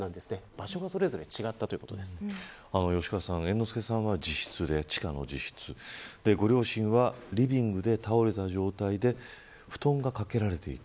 場所がそれぞれ吉川さん猿之助さんは自室でご両親はリビングで倒れた状態で布団がかけられていた。